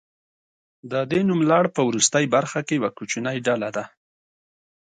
د دې نوملړ په وروستۍ برخه کې یوه کوچنۍ ډله ده.